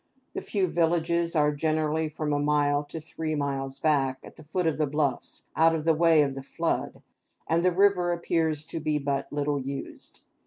The few villages are generally from a mile to three miles back, at the foot of the bluffs, out of the way of the flood, and the river appears to be but little used.